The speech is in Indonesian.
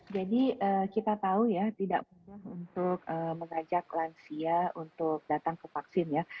jadi kita tahu ya tidak perlu untuk mengajak lansia untuk datang ke vaksin ya